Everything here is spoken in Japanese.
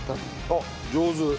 あっ上手。